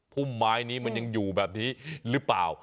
พุ่มไม้นี้มันยังอยู่แบบนี้หรือเปล่า